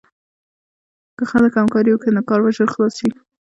که خلک همکاري وکړي، نو کار به ژر خلاص شي.